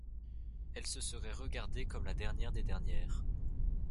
Elle se serait regardée comme la dernière des dernières.